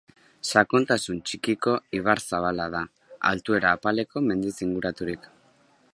Sakontasun txikiko ibar zabala da, altuera apaleko mendiz inguraturik.